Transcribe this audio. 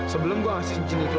sebelum gue kasih cincin itu ke lu